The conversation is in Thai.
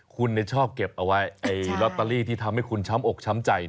คุณชอบเก็บเอาไว้ลอตเตอรี่ที่ทำให้คุณช้ำอกช้ำใจ